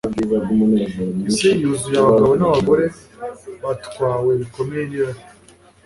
Isi yuzuye abagabo nabagore batwawe bikomeye nirari